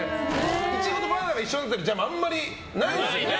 イチゴとバナナが一緒になってるジャムあんまりないですよね。